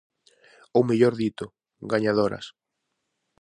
Ou mellor dito: gañadoras.